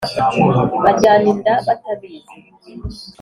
ajyana inda batabizi